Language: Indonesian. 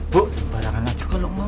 bu sembarangan aja kalau mau